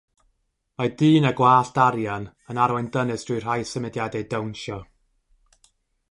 Mae dyn â gwallt arian yn arwain dynes drwy rhai symudiadau dawnsio.